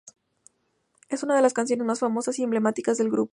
Es una de las canciones más famosas y emblemáticas del grupo.